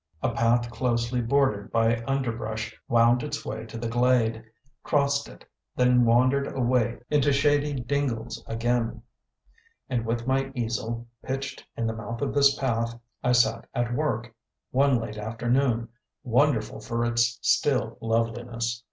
A path closely bordered by underbrush wound its way to the glade, crossed it, then wandered away into shady dingles again; and with my easel pitched in the mouth of this path, I sat at work, one late afternoon, wonderful for its still loveliness.